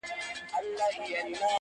• د دغه ښار ښکلي غزلي خیالوري غواړي،